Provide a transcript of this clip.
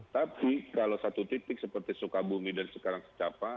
tapi kalau satu titik seperti sukabumi dan sekarang secapa